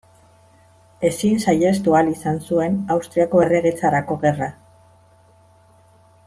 Ezin saihestu ahal izan zuen Austriako Erregetzarako Gerra.